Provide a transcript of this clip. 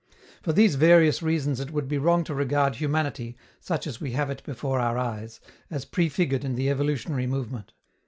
For these various reasons it would be wrong to regard humanity, such as we have it before our eyes, as pre figured in the evolutionary movement.